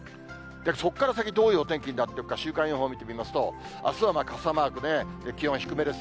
そこから先どういうお天気になっていくか、週間予報見てみますと、あすは傘マークで、気温低めです。